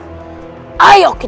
dan masih banyak lebih